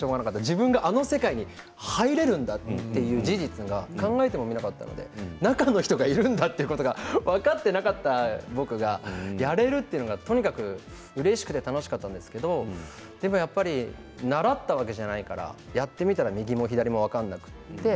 自分があの世界に入れるんだという事実が考えてもみなかったので中の人がいるんだということが分かっていなかった僕がやれるというのがとにかくうれしくて楽しかったんですけどでもやっぱり習ったわけじゃないからやってみたら右も左も分からなくて。